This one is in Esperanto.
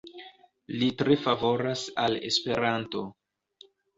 Li tre favoras al Esperanto.